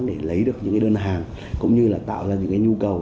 để lấy được những đơn hàng cũng như là tạo ra những nhu cầu